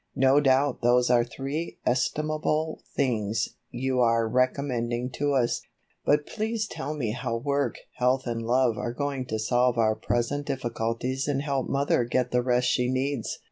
No doubt those are three estimable things you are recommending to us, but please tell me how Work, Health and Love are going to solve our present difficulties and help mother get the rest she needs.